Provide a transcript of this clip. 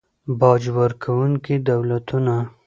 باج ورکونکي دولتونه